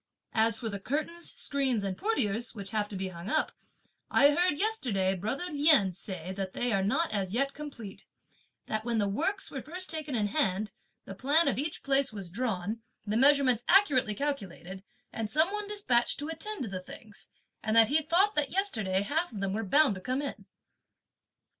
As for the curtains, screens, and portieres, which have to be hung up, I heard yesterday brother Lien say that they are not as yet complete, that when the works were first taken in hand, the plan of each place was drawn, the measurements accurately calculated and some one despatched to attend to the things, and that he thought that yesterday half of them were bound to come in.